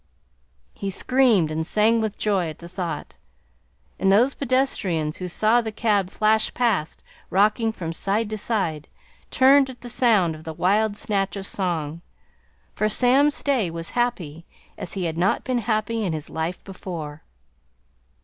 He screamed and sang with joy at the thought, and those pedestrians who saw the cab flash past, rocking from side to side, turned at the sound of the wild snatch of song, for Sam Stay was happy as he had not been happy in his life before.